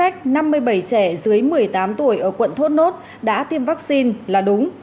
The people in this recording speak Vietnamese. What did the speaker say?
trẻ dưới một mươi tám tuổi ở quận thốt nốt đã tiêm vaccine là đúng